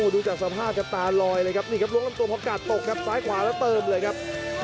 ดูจากสภาพครับตาลอยเลยครับนี่ครับล้วงลำตัวพอกาดตกครับซ้ายขวาแล้วเติมเลยครับ